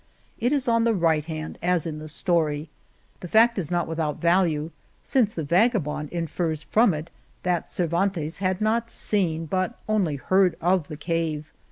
It is on the right hand, as in the story. The fact is not with out value, since the Vagabond " infers from it that Cervantes had not seen, but only heard of, the cave.